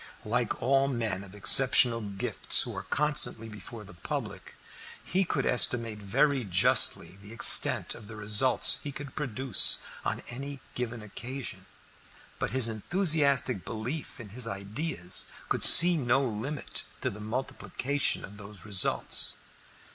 Like all men of exceptional gifts who are constantly before the public, he could estimate very justly the extent of the results he could produce on any given occasion, but his enthusiastic belief in his ideas could see no limit to the multiplication of those results.